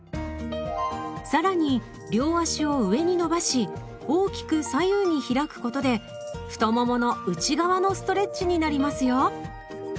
更に両足を上に伸ばし大きく左右に開くことで太ももの内側のストレッチになりますよ。